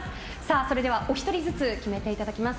それではお一人ずつ決めていただきます。